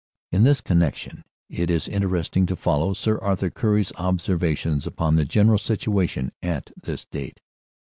In this connection it is interesting to follow Sir Arthur Currie s observations upon the general situation at this date.